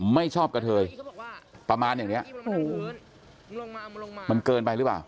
ไม่ชอบกับเธอยประมาณอย่างเนี้ยมันเกินไปหรือเปล่า